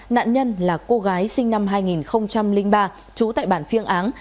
nạn nhân là cô gái sinh năm hai nghìn ba trú tại bản phiêng án